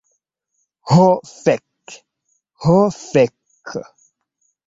Ho fek... ho fek'...